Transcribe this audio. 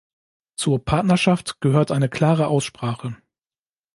Zur Partnerschaft gehört eine klare Aussprache.